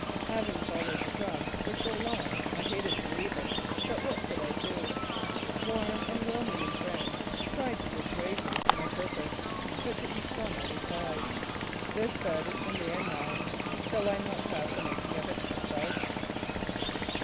Having followed the drum for so long, I hated to leave it, but what could I d3? Warm and well meaning friends tried to dissuade me from my purpose, but to each one I replied: "This bed is for me and mine. Shall I not have the making of it myself?"